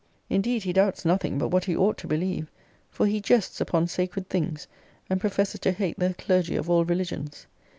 Indeed he doubts nothing but what he ought to believe; for he jests upon sacred things; and professes to hate the clergy of all religions.